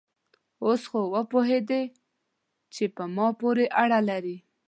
اوس خو وپوهېدې چې په ما پورې اړه لري؟